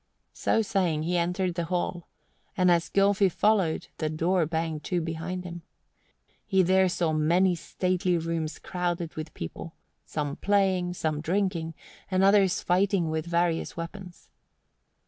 So saying he entered the hall, and as Gylfi followed the door banged to behind him. He there saw many stately rooms crowded with people, some playing, some drinking, and others fighting with various weapons.